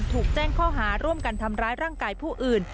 ถูกแจ้งข้อหาร่วมกันทำร้ายร่างกายผู้อื่น